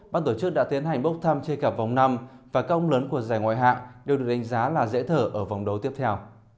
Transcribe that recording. ban tổ chức đã tiến hành bốc thăm trên cả vòng năm và các ông lớn của giải ngoại hạng đều được đánh giá là dễ thở ở vòng đấu tiếp theo